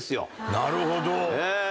なるほど。